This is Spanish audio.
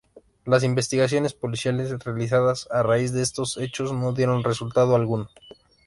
Las investigaciones policiales realizadas a raíz de estos hechos no dieron resultado alguno.